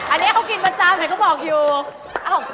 อันนี้เขากินประจำเห็นเขาบอกอยู่